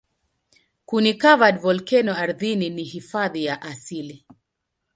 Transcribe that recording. Kuni-covered volkeno ardhini ni hifadhi ya asili.